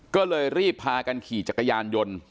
ก็เลยรีบพากันขี่จักรยานยนต์